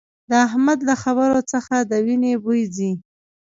د احمد له خبرو څخه د وينې بوي ځي